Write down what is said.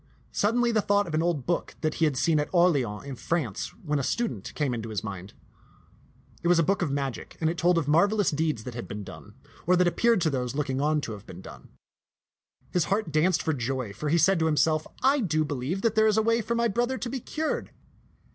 Suddenly the thought of an old book that he had seen at Orleans in France when a student came into his mind. It was a book of magic ; and it told of marvelous deeds that had been done, or that appeared to those looking on to have been done. His heart danced for joy, for he said to himself, " I do believe that there is a way for my bro ther to be cured.